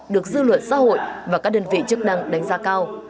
được dư luận xã hội và các đơn vị chức năng đánh giá cao